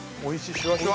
シュワシュワ。